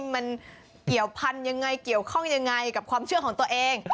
มันเกี่ยวพันธุ์ยังไงเกี่ยวข้องยังไงกับความเชื่อของตัวเอง